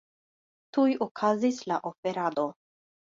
Tuj okazis la oferado.